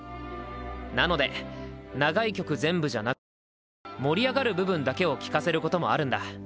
なので長い曲全部じゃなくて盛り上がる部分だけを聴かせることもあるんだ。